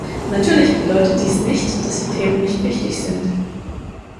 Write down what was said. Natürlich bedeutet dies nicht, dass die Themen nicht wichtig sind.